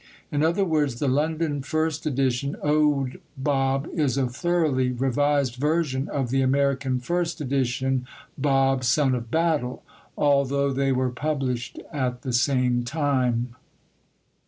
In other words, the London first edition, Owd Bob, is a thoroughly revised version of the American first edition, Bob, Son of Battle, although they were published at the same time.